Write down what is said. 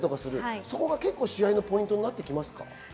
そこが試合のポイントになってきますか？